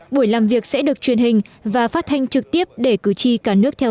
buổi làm việc sẽ được truyền hình và phát thanh trực tiếp để cử tri cả nước theo dõi